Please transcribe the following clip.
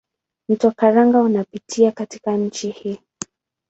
Mto Karanga unapita katika nchi hii.